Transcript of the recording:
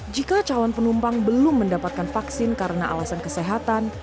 jika calon penumpang belum mendapatkan vaksin karena alasan kesehatan